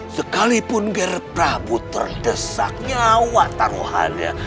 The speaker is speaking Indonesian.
sekalipun ger prabu terdesak nyawa taruhannya